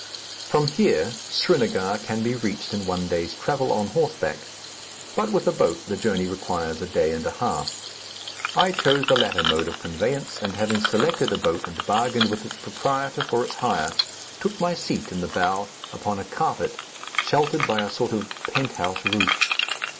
From here Srinagar can be reached in one day's travel on horseback; but with a boat the journey requires a day and a half. I chose the latter mode of conveyance, and having selected a boat and bargained with its proprietor for its hire, took my seat in the bow, upon a carpet, sheltered by a sort of penthouse roof.